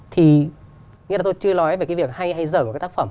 thì nghĩa là tôi chưa nói về cái việc hay dở của cái tác phẩm